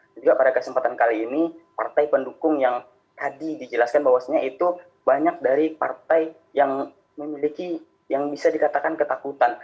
dan juga pada kesempatan kali ini partai pendukung yang tadi dijelaskan bahwasannya itu banyak dari partai yang memiliki yang bisa dikatakan ketakutan